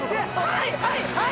はいはい！